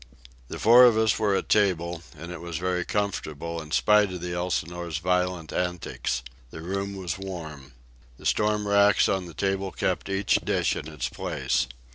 The four of us were at table, and it was very comfortable, in spite of the Elsinore's violent antics. The room was warm. The storm racks on the table kept each dish in its place.